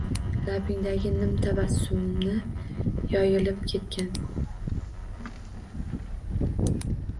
Labingdagi nim tabassumni yoyilib ketgan.